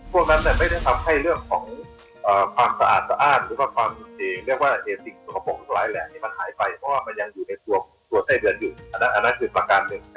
พวกนั้นไม่ได้ทำให้เรื่องความสะอาดสะอาดหรือว่าความสัมผัสเลือกแสดงสุขโปร์บุรุษลายแหลก